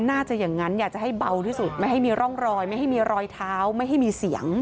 น่าจะอย่างนั้นอยากจะให้เบาที่สุดไม่ให้มีร่องรอยไม่ให้มีรอยเท้าไม่ให้มีเสียง